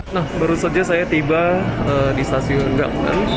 nah baru saja saya tiba di stasiun garmen